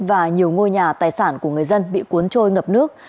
và nhiều ngôi nhà tài sản của người dân bị cuốn trôi ngập nước